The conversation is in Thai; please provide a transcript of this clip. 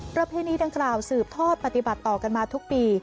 ประเพณีดังกล่าวสืบทอดปฏิบัติต่อกันมาทุกปี